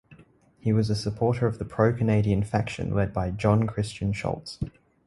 He was a supporter of the pro-Canadian faction led by John Christian Schultz.